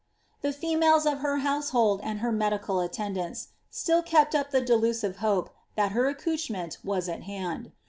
The females of her household and her medical attendants still kept up the delusive hope that her accouchement was at hand.